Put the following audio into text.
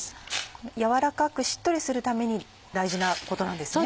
軟らかくしっとりするために大事なことなんですね。